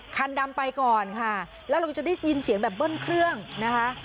คันดำไปก่อนค่ะแล้วเราจะได้ยินเสียงแบบเบิ้ลเครื่องนะคะ